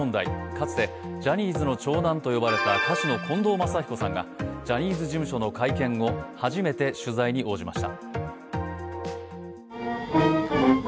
かつてジャニーズの長男と呼ばれた歌手の近藤真彦さんがジャニーズ事務所の会見後初めて取材に応じました。